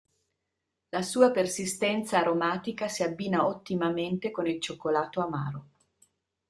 La sua persistenza aromatica si abbina ottimamente con il cioccolato amaro.